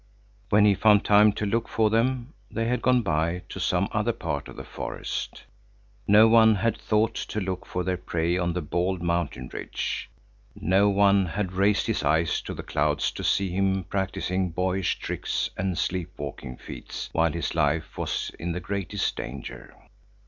When he found time to look for them, they had gone by to some other part of the forest. No one had thought to look for their prey on the bald mountain ridge. No one had raised his eyes to the clouds to see him practising boyish tricks and sleep walking feats while his life was in the greatest danger.